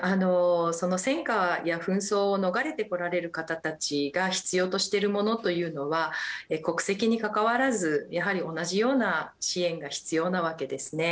その戦火や紛争を逃れてこられる方たちが必要としているものというのは国籍にかかわらずやはり同じような支援が必要なわけですね。